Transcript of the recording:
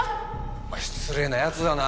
お前失礼な奴だな。